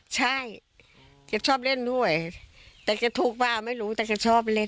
ใช่เค้าชอบเล่นด้วยแต่แกะทูกไหมไม่รู้แต่เค้าชอบเล่น